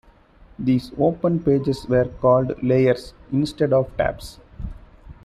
These open pages were called "layers" instead of tabs.